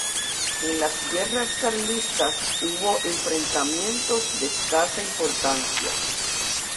En las Guerras Carlistas hubo enfrentamientos de escasa importancia.